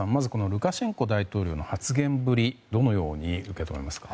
ルカシェンコ大統領の発言ぶり、どのように受け止めますか。